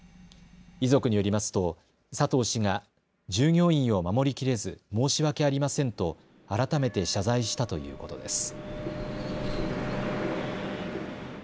遺族によりますと佐藤氏が従業員を守りきれず申し訳ありませんと改めて謝罪したということです。